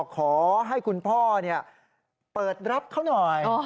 ขอให้คุณพ่อเปิดรับเขาหน่อย